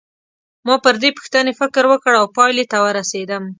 ما پر دې پوښتنې فکر وکړ او پایلې ته ورسېدم.